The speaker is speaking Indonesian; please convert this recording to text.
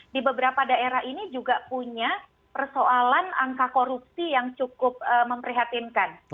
di beberapa daerah ini juga punya persoalan angka korupsi yang cukup memprihatinkan